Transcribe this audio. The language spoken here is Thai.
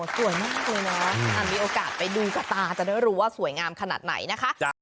สวยมากเลยนะมีโอกาสไปดูชะตาจะได้รู้ว่าสวยงามขนาดไหนนะคะ